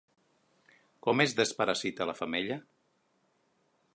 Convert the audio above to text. Com es desparasita la femella?